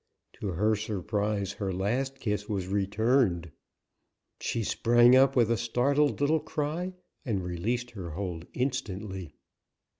To her surprise her last kiss was returned. She sprang up with a startled little cry, and released her hold instantly.